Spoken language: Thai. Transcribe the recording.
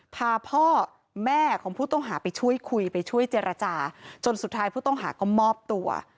พาพ่อแม่ของผู้ต้องหาไปช่วยคุยไปช่วยเจรจาจนสุดท้ายผู้ต้องหาก็มอบตัว